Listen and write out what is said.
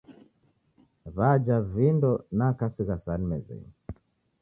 W'aja vindo na kasigha sahani mezenyi.